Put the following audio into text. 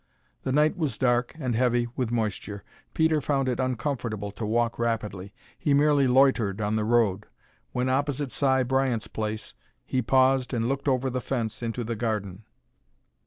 The night was dark, and heavy with moisture. Peter found it uncomfortable to walk rapidly. He merely loitered on the road. When opposite Si Bryant's place he paused and looked over the fence into the garden.